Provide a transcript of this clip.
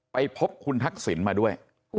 ไปพบคุณทักษิณมาด้วย